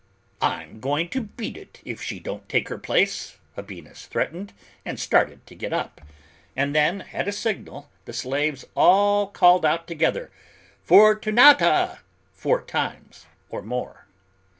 "I'm going to beat it if she don't take her place," Habinnas threatened, and started to get up; and then, at a signal, the slaves all called out together "Fortunata," four times or more.